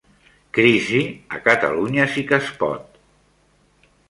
Crisi a Catalunya Sí que es Pot